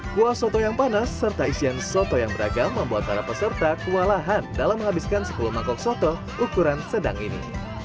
kuah soto yang panas serta isian soto yang beragam membuat para peserta kewalahan dalam menghabiskan sepuluh mangkok soto ukuran sedang ini